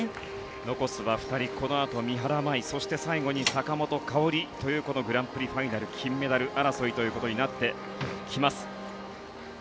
残すは２人このあとに三原舞依そして最後に坂本花織というこのグランプリファイナル金メダル争いとなってきます。